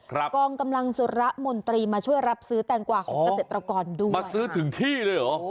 กองกำลังสุระมนตรีมาช่วยรับซื้อแตงกว่าของเกษตรกรด้วยมาซื้อถึงที่เลยเหรอ